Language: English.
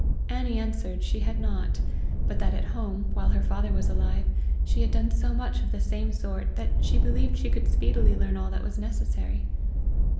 Annie answered she had not, but that at home, while her father was alive, she had done so much of the same sort that she believed she could speedily learn all that was necessary.